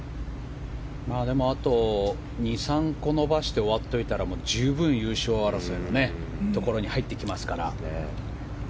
あと２３個伸ばして終わっといたら十分、優勝争いのところに入ってきますから。